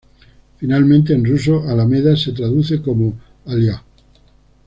Finalmente en ruso alameda se traduce como Аллея.